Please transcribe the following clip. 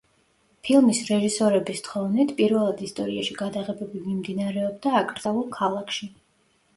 ფილმის რეჟისორების თხოვნით პირველად ისტორიაში გადაღებები მიმდინარეობდა აკრძალულ ქალაქში.